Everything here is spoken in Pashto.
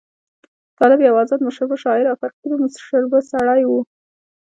طالب یو آزاد مشربه شاعر او فقیر مشربه سړی وو.